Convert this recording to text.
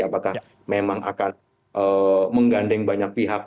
apakah memang akan menggandeng banyak pihak